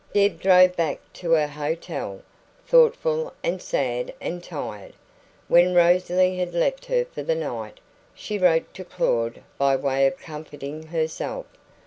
Deb drove back to her hotel, thoughtful and sad and tired. When Rosalie had left her for the night, she wrote to Claud by way of comforting herself.